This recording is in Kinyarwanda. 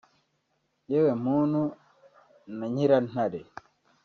yewemuntu na Nyirantare